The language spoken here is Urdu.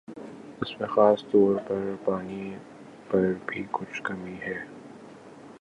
اس میں خاص طور پر پانی پر بھی کچھ کمی ہے